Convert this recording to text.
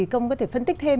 công có thể phân tích thêm